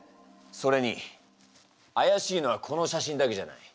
それにあやしいのはこの写真だけじゃない。